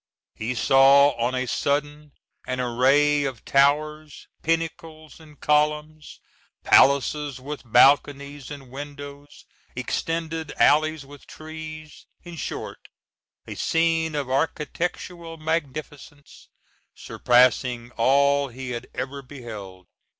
He saw on a sudden an array of towers, pinnacles and columns, palaces with balconies and windows, extended alleys with trees, in short a scene of architectural magnificence surpassing all he had ever beheld.